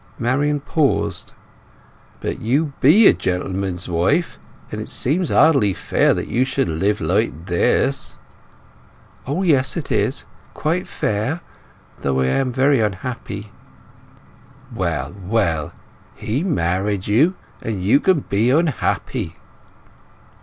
Marian paused. "But you be a gentleman's wife; and it seems hardly fair that you should live like this!" "O yes it is, quite fair; though I am very unhappy." "Well, well. He married you—and you can be unhappy!"